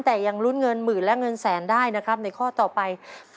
แต่ยังลุ้นเงินหมื่นและเงินแสนได้นะครับในข้อต่อไป